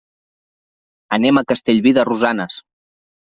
Anem a Castellví de Rosanes.